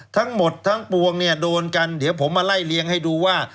ทั้งหมดทั้งปวงเนี่ยโดนกันเดี๋ยวผมมาไล่เลี้ยงให้ดูว่า